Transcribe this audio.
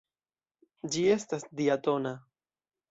Ĝi estas diatona.